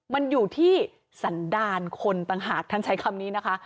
มันอยู่ที่สันดาลคนต่างหากท่านใช้คำนี้นะคะ